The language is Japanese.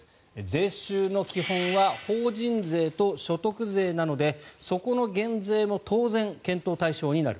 税収の基本は法人税と所得税なのでそこの減税も当然検討対象になる。